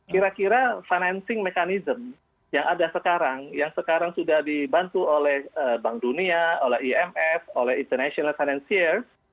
kira kira financing mechanism yang ada sekarang yang sekarang sudah dibantu oleh bank dunia oleh imf oleh international financier